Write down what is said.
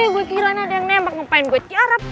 gue kira nih ada yang nembak ngapain gue tiarap